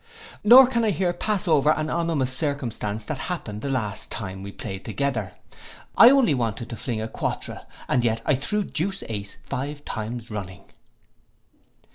Nor can I here pass over an ominous circumstance that happened the last time we played together: I only wanted to fling a quatre, and yet I threw deuce ace five times running.